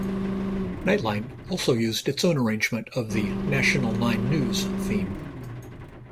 "Nightline" also used its own arrangement of the "National Nine News" theme.